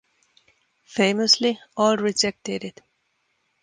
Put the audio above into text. Famously, all rejected it.